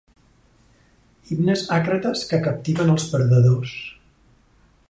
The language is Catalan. Himnes àcrates que captiven els perdedors.